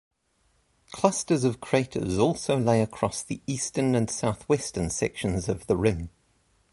Clusters of craters also lay across the eastern and southwestern sections of the rim.